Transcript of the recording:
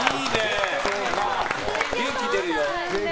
元気出るよ。